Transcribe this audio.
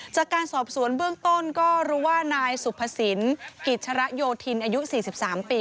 จากการสอบสวนเบื้องต้นก็รู้ว่านายสุภสินกิจชะระโยธินอายุ๔๓ปี